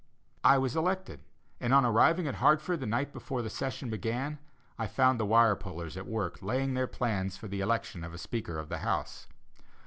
I was elected, and on arriving at Hartford the night before the session began, I found the wire pullers at work laying their plans for the election of a Speaker of the House.